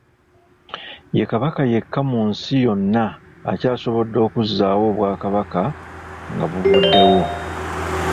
Ye Kabaka yekka mu nsi yonna akyasobodde okuzzaawo obwakabaka nga buvuddewo.